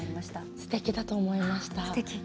すてきだと思いました。